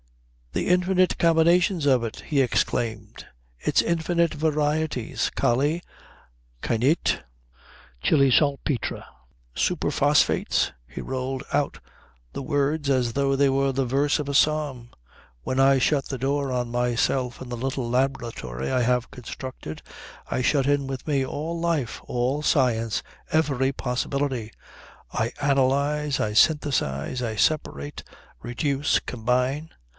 "The infinite combinations of it!" he exclaimed. "Its infinite varieties! Kali, Kainit, Chilisaltpetre, Superphosphates" he rolled out the words as though they were the verse of a psalm. "When I shut the door on myself in the little laboratory I have constructed I shut in with me all life, all science, every possibility. I analyse, I synthesize, I separate, reduce, combine.